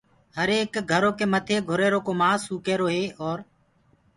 هر ايڪ گھرو ڪي مٿي گُھريرو ڪو مآس سوڪ هيروئي اور